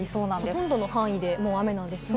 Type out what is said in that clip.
ほとんどの範囲で雨なんです